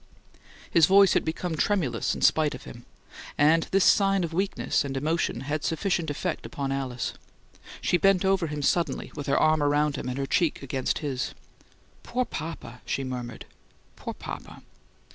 His voice had become tremulous in spite of him; and this sign of weakness and emotion had sufficient effect upon Alice. She bent over him suddenly, with her arm about him and her cheek against his. "Poor papa!" she murmured. "Poor papa!"